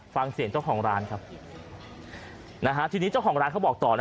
ฟังเสียงเจ้าของร้านครับนะฮะทีนี้เจ้าของร้านเขาบอกต่อนะ